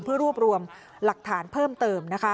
เพื่อรวบรวมหลักฐานเพิ่มเติมนะคะ